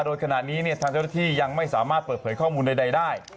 โดยขณะนี้ทางเจ้าหน้าที่ยังไม่สามารถเปิดเผยข้อมูลใดได้